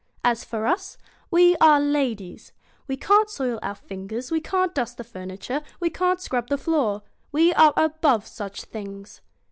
As for us, we are ladies. We can't soil our fingers, we can't dust the furniture, we can't scrub the floor. We are above such things.'